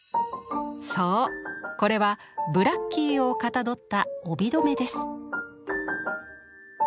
そうこれはブラッキーをかたどった帯留です。